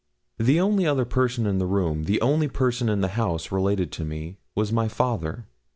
The only other person in the room the only person in the house related to me was my father.